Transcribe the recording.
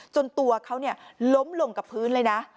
ตัวเขาล้มลงกับพื้นเลยนะ